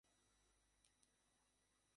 হৃদয়হীনতা, উদ্যমহীনতা সকল দঃখের কারণ।